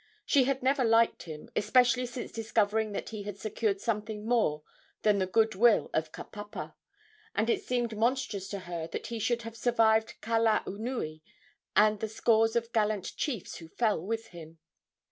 She had never liked him, especially since discovering that he had secured something more than the good will of Kapapa, and it seemed monstrous to her that he should have survived Kalaunui and the scores of gallant chiefs who fell with him.